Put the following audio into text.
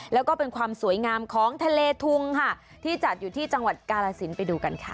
แล้วก็เป็นความสวยงามของทะเลทุงค่ะที่จัดอยู่ที่จังหวัดกาลสินไปดูกันค่ะ